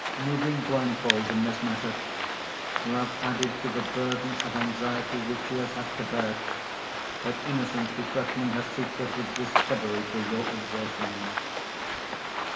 Moving blindfold in this matter, you have added to the burden of anxiety which she has had to bear, by innocently threatening her secret with discovery through your exertions."